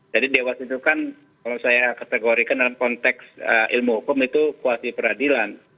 jadi dewas itu kan kalau saya kategorikan dalam konteks ilmu hukum itu kuasi peradilan